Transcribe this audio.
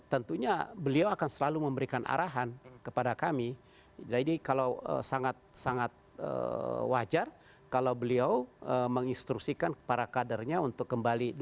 dan tentunya beliau akan selalu memberikan arahan kepada kami jadi kalau sangat wajar kalau beliau menginstruksikan para kadernya untuk kembali dulu